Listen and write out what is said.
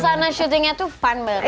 suasana syutingnya tuh fun banget